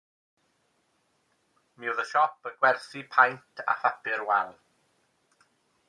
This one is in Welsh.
Mi oedd y siop yn gwerthu paent a papur wal.